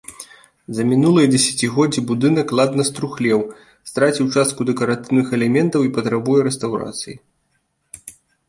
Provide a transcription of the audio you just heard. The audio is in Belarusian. За мінулыя дзесяцігоддзі будынак ладна струхлеў, страціў частку дэкаратыўных элементаў і патрабуе рэстаўрацыі.